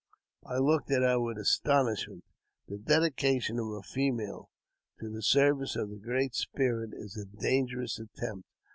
I looked at her with astonish ment. The dedication of a female to the service of the Great Spirit is a dangerous attempt.